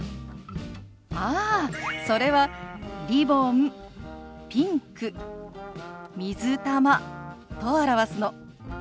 ああそれは「リボン」「ピンク」「水玉」と表すの。